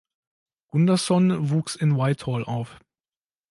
Gunderson wuchs in Whitehall auf.